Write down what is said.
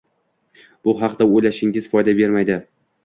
Bu haqida o’ylashingiz foyda bermaydi